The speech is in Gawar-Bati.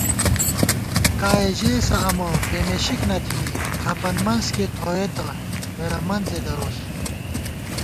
کائےژېسہ امہ، پېمېشِک نہ تھنی * کھپن منز کېئی تھوئېتہ، ہېڑہ منزےدَروس